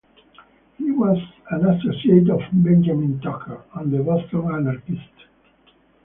He was an associate of Benjamin Tucker and the Boston anarchists.